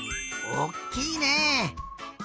おっきいね！